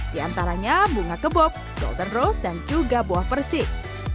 di antaranya bunga kebob dolton rose dan juga buah persik